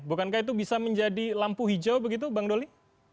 bukankah itu bisa menjadi lampu hijau begitu bang doli